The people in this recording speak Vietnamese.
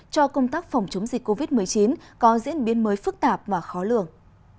cho công tác phòng chống dịch covid một mươi chín có diễn biến mới phức tạp và khó lường